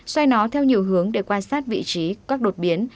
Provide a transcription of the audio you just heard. xoay nó theo nhiều hướng để quan sát vị trí các đột biến